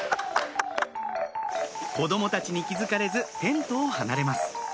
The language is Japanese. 子供たちに気付かれずテントを離れます